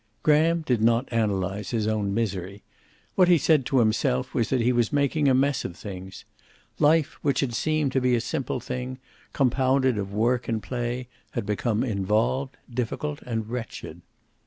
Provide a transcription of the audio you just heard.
Graham did not analyze his own misery. What he said to himself was that he was making a mess of things. Life, which had seemed to be a simple thing, compounded of work and play, had become involved, difficult and wretched.